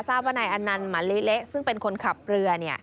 ทราบว่าไน่อันนันหมั่นลิเละซึ่งเป็นคนขับเรือ